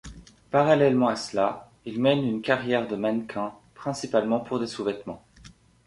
Parallèlement à cela, il mène une carrière de mannequin, principalement pour des sous-vêtements.